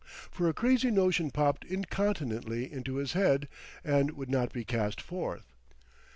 For a crazy notion popped incontinently into his head, and would not be cast forth.